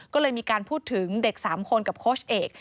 ก็เลยมีการพูดถึงเด็ก๓คนกับโค้ชเอก